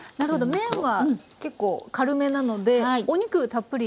麺は結構軽めなのでお肉たっぷり。